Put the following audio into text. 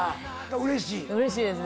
うれしい！